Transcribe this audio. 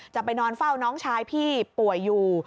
จะไปนอนเฝ้าน้องชายพี่ป่วยอยู่